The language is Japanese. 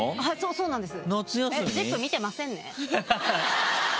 そうなんです。